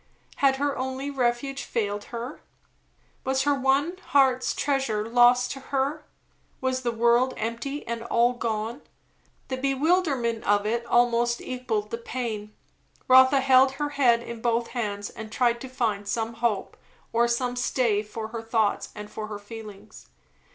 Had her only refuge failed her? Was her one heart's treasure lost to her? Was the world empty, and all gone? The bewilderment of it almost equalled the pain. Rotha held her head in both hands and tried to find some hope, or some stay for her thoughts and for her feelings.